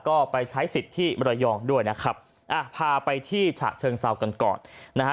ก็ไปใช้สิทธิ์ที่มรยองด้วยนะครับอ่าพาไปที่ฉะเชิงเซากันก่อนนะฮะ